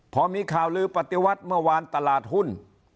พอมีข่าวลือปฏิวัติเมื่อวานตลาดหุ้น